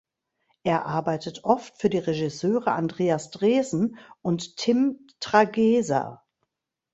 Er arbeitet oft für die Regisseure Andreas Dresen und Tim Trageser.